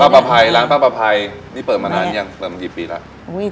ประภัยร้านป้าประภัยนี่เปิดมานานยังเปิดมากี่ปีแล้ว